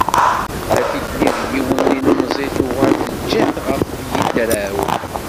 Tebda tikli d yiwen n yilemẓi tuɣal teǧǧa-t ɣef yidra-w.